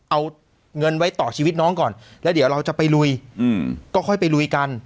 เอาเงินไว้ต่อชีวิตน้องก่อนแล้วเดี๋ยวเราจะไปลุยก็ค่อยไปลุยกัน